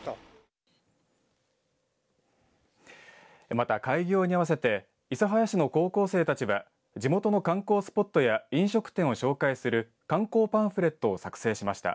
また開業に合わせて諫早市の高校生たちは地元の観光スポットや飲食店を紹介する観光パンフレットを作成しました。